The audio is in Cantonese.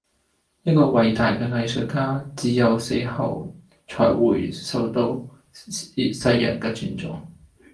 一個偉大的藝術家隻有死後才會受到世人的尊重